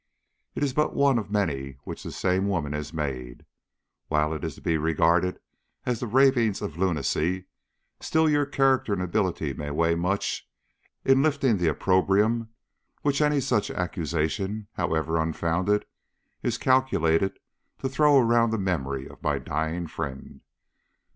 It is but one of many which this same woman has made; and while it is to be regarded as the ravings of lunacy, still your character and ability may weigh much in lifting the opprobrium which any such accusation, however unfounded, is calculated to throw around the memory of my dying friend."